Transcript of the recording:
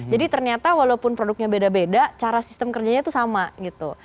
jadi ternyata walaupun produknya beda beda cara sistem kerjanya itu sama gitu